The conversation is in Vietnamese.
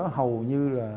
hầu như là